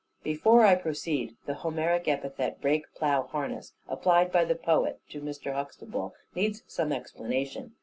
Before I proceed, the Homeric epithet "Break plough harness," applied by the poet to Mr. Huxtable, needs some explanation.